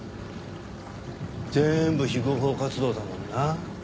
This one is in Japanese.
全部非合法活動だもんな。